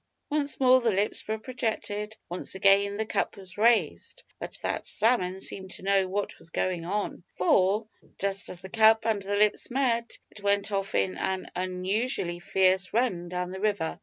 Once more the lips were projected, once again the cup was raised, but that salmon seemed to know what was going on, for, just as the cup and the lips met, it went off in an unusually fierce run down the river.